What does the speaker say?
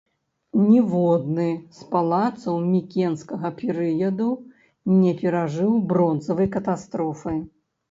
Ніводны з палацаў мікенскага перыяду не перажыў бронзавай катастрофы.